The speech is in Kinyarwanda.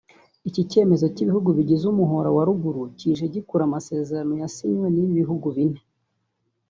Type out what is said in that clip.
Iki cyemezo cy’ibihugu bigize umuhora wa Ruguru kije gikurikira amasezerano yasinywe n’ibi bihugu bine